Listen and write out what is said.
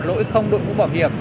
lỗi không đội mũ bảo hiểm